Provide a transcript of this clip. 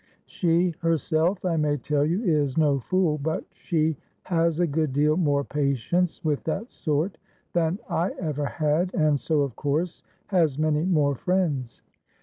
She herself, I may tell you, is no fool, but she has a good deal more patience with that sort than I ever had, and so, of course, has many more friends.